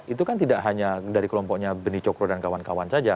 itu kan tidak hanya dari kelompoknya beni cokro dan kawan kawan saja